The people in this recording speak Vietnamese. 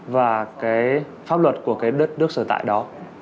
và cái pháp luật của cái đất nước sở tại đó